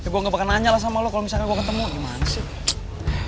gue gak bakal nanya sama lu kalo misalnya gue ketemu gimana sih